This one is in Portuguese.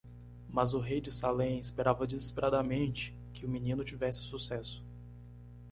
Mas o rei de Salem esperava desesperadamente que o menino tivesse sucesso.